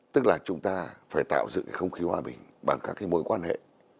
tức là chúng ta phải tạo dựng không khí hòa bình bằng các cái mối quan hệ